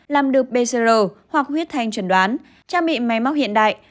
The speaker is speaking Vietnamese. làm được pcr hoặc huyết thanh chẩn đoán trang bị máy móc hiện đại